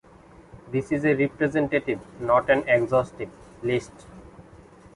This is a representative, not an exhaustive, list.